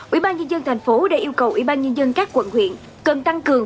ủy ban nhân dân thành phố đã yêu cầu ủy ban nhân dân các quận huyện cần tăng cường